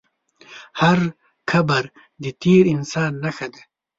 هر قبر د تېر انسان نښه ده.